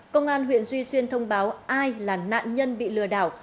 công an huyện duy xuyên thông báo ai là nạn nhân bị lừa đảo